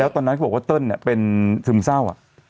แล้วตอนนั้นก็บอกว่าเติ้ลเป็นถึงเศร้าอ่ะ